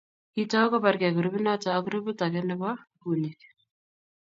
kiitou kobargei grupinoto ak grupit age nebo bunyik.